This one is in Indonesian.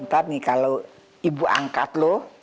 ntar nih kalau ibu angkat lo